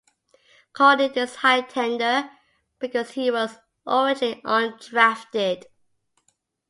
Cole needed this higher tender because he was originally undrafted.